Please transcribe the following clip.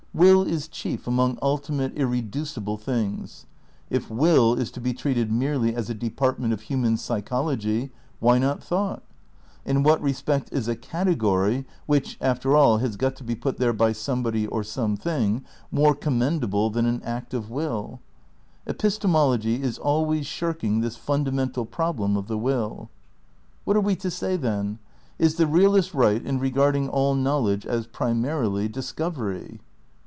WiU is chief among ulti mate, irreducible things. If Will is to be treated merely as a department of human psychology, why not thought? In what respect is a "category" (which, after all, has got to be put there by somebody or some thing) more commendable than an act of wiU? Epis temology is always shirking this fundamental problem of the will. What are we to say then? Is the realist right in re garding all knowledge as, primarily, discovery?